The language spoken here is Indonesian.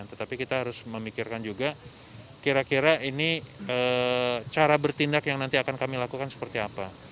tetapi kita harus memikirkan juga kira kira ini cara bertindak yang nanti akan kami lakukan seperti apa